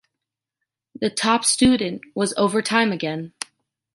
The top student was overtime again.